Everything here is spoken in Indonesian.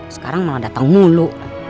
sekarang malah datang mulu